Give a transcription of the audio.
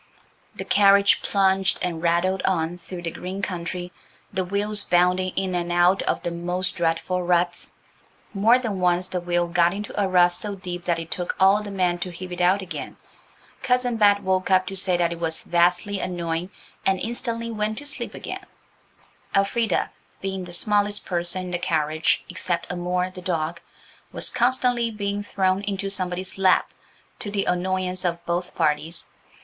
The carriage plunged and rattled on through the green country, the wheels bounding in and out of the most dreadful ruts. More than once the wheel got into a rut so deep that it took all the men to heave it out again. Cousin Bet woke up to say that it was vastly annoying, and instantly went to sleep again. Elfrida, being the smallest person in the carriage except Amour, the dog, was constantly being thrown into somebody's lap–to the annoyance of both parties.